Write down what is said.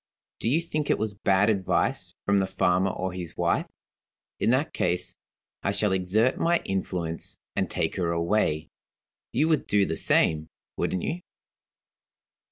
Do you think it was bad advice from the farmer or his wife? In that case, I shall exert my influence, and take her away. You would do the same, wouldn't you?